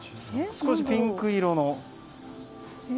少しピンク色の。